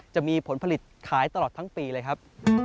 จะมีผลผลิตขายตลอดทั้งปีเลยครับ